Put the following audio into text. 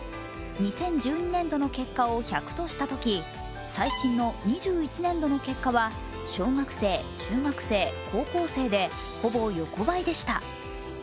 ２０１２年度の数値を１００とした場合、最新の２１年度の結果は、小学生、中学生、高校生でほぼ横ばいでした。